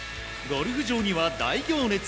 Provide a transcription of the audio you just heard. ゴルフ場には大行列。